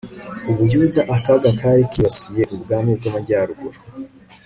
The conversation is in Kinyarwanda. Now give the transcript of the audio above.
ubuyuda akaga kari kibasiye ubwami bw'amajyaruguru